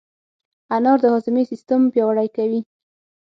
انار د هاضمې سیستم پیاوړی کوي.